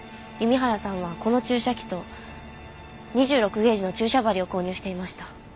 弓原さんはこの注射器と２６ゲージの注射針を購入していました。